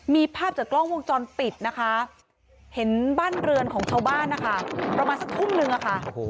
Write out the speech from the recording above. มีภาพจากกล้องวงจรปิดนะคะเห็นบ้านเรือนของชาวบ้านนะคะประมาณสักทุ่มนึงอะค่ะ